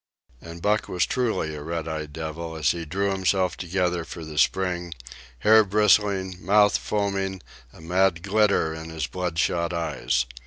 And Buck was truly a red eyed devil, as he drew himself together for the spring, hair bristling, mouth foaming, a mad glitter in his blood shot eyes.